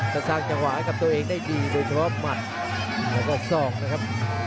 ก็สร้างจังหวะกับตัวเองได้ดีโดยเฉพาะหมัดแล้วก็ศอกนะครับ